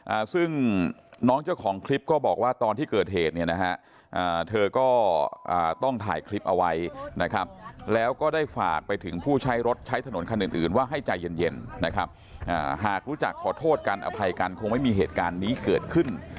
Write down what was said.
อ่าซึ่งน้องเจ้าของคลิปก็บอกว่าตอนที่เกิดเหตุเนี่ยนะฮะอ่าเธอก็อ่าต้องถ่ายคลิปเอาไว้นะครับแล้วก็ได้ฝากไปถึงผู้ใช้รถใช้ถนนคันอื่นอื่นว่าให้ใจเย็นเย็นนะครับอ่าหากรู้จักขอโทษกันอภัยกันคงไม่มีเหตุการณ์นี้เกิดขึ้น